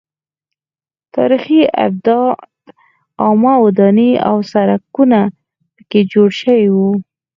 تاریخي ابدات عامه ودانۍ او سړکونه پکې جوړ شوي وو.